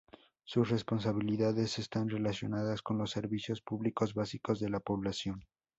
Sus responsabilidades están relacionadas con los servicios públicos básicos de la población.